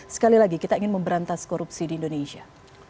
sekali lagi kita ingin memberantas korupsi di indonesia